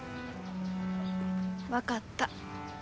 分かった。